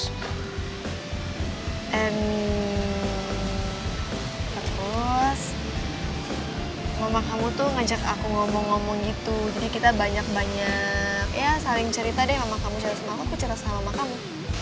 terus mama kamu tuh ngajak aku ngomong ngomong gitu jadi kita banyak banyak ya saling cerita deh sama kamu cerita sama aku cerita sama kamu